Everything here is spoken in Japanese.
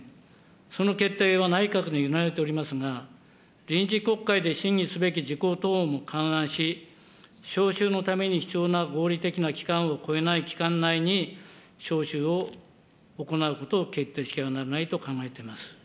その決定は内閣に委ねられておりますが、臨時国会で審議すべき事項等も勘案し、召集のために必要な合理的な期間を超えない期間内に、召集を行うことを決定しなければならないと考えています。